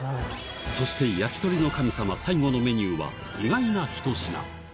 そして焼き鳥の神様、最後のメニューは意外な一品。